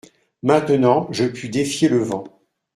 Maintenant je puis défier le vent.